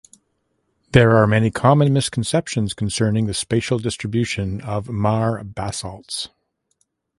There are many common misconceptions concerning the spatial distribution of mare basalts.